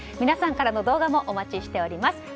皆さんからの動画もお待ちしております。